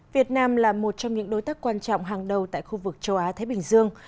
việt nam là một trong những đối tác quan trọng hàng đầu tại khu vực châu á thái bình dương